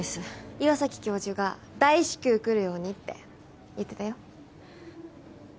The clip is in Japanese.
岩崎教授が大至急来るようにって言ってたよ。